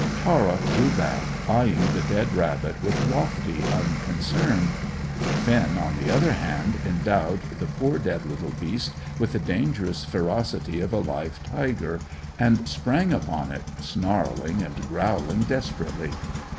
Tara drew back, eyeing the dead rabbit with lofty unconcern. Finn, on the other hand, endowed the poor dead little beast with the dangerous ferocity of a live tiger, and sprang upon it, snarling and growling desperately.